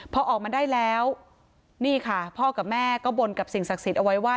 พอออกมาได้แล้วนี่ค่ะพ่อกับแม่ก็บนกับสิ่งศักดิ์สิทธิ์เอาไว้ว่า